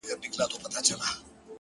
هغه خو زما کره په شپه راغلې نه ده،